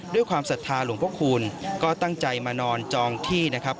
ความศรัทธาหลวงพระคูณก็ตั้งใจมานอนจองที่นะครับ